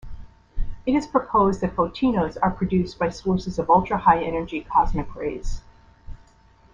It is proposed that photinos are produced by sources of ultra-high-energy cosmic rays.